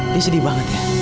dia sedih banget ya